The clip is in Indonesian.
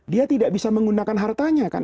dia tidak bisa menggunakan hartanya kan